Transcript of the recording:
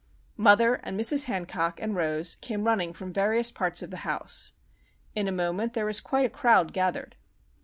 Mother, and Mrs. Hancock, and Rose came running from various parts of the house. In a moment there was quite a crowd gathered.